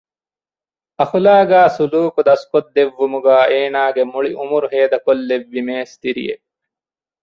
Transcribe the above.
އަޚުލާޤާ ސުލޫކު ދަސްކޮށްދެއްވުމުގައި އޭނާގެ މުޅި އުމުރު ހޭދަކޮށްލެއްވި މޭސްތިރިއެއް